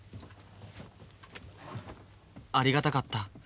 ありがたかった。